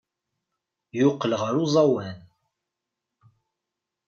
Yeqqel ɣer uẓawan.